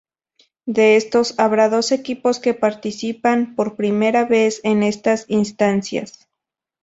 De estos, habrá dos equipos que participan por primera vez en estas instancias.